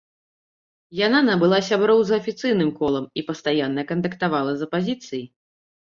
Яна набыла сяброў за афіцыйным колам і пастаянна кантактавала з апазіцыяй.